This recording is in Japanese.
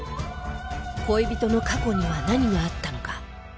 恋人の過去には何があったのか？